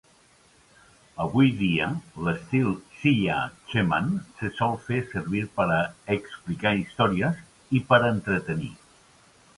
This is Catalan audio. Avui dia, l'estil Siya Cheman se sol fer servir per explicar històries i per entretenir.